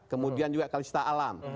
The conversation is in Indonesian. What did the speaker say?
kemudian juga kalisita alam